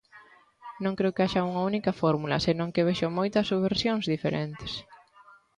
Non creo que haxa unha única fórmula, senón que vexo moitas subversións diferentes.